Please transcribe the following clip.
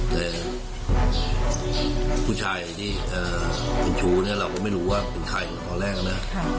แต่ผู้ชายที่เป็นชู้เนี่ยเราก็ไม่รู้ว่าเป็นใครตอนแรกนะ